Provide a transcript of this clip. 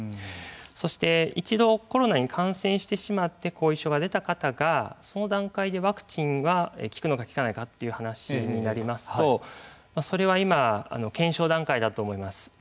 そして、１度コロナに感染してしまって後遺症が出てしまった方その段階でワクチンはきくのかきかないかという話になりますとそれは今検証段階だと思います。